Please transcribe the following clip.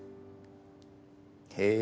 へえ。